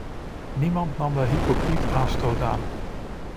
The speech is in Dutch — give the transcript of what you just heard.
Niemand nam daar hypocriet aanstoot aan.